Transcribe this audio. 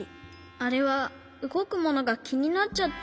あれはうごくものがきになっちゃって。